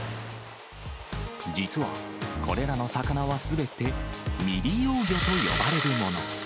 実は、これらの魚はすべて、未利用魚と呼ばれるもの。